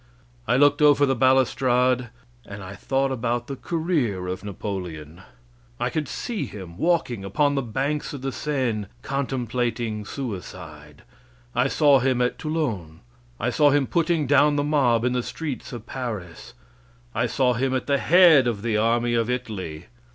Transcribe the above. I looked over the balustrade, and I thought about the career of Napoleon. I could see him walking upon the banks of the Seine contemplating suicide. I saw him at Toulon. I saw him putting down the mob in the streets of Paris. I saw him at the head of the army of Italy.